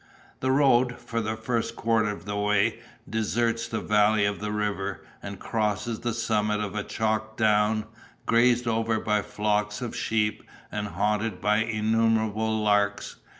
The road, for the first quarter of the way, deserts the valley of the river, and crosses the summit of a chalk down, grazed over by flocks of sheep and haunted by innumerable larks.